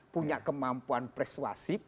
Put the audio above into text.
punya kemampuan persuasif